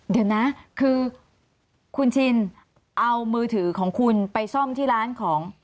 เดี๋ยวนะคือคุณชินเอามือถือของคุณไปซ่อมที่ร้านของ